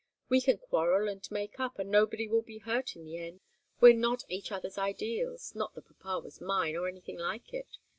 We can quarrel and make up, and nobody will be hurt in the end. We're not each other's ideals not that papa was mine, or anything like it.